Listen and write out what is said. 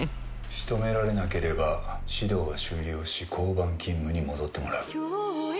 仕留められなければ指導を終了し交番勤務に戻ってもらう。